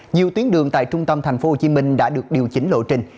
nhiều tuyến đường tại trung tâm tp hcm đã được điều chỉnh lộ trình